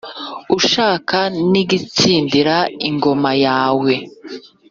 ushaka n'igitsindira ingoma yawe.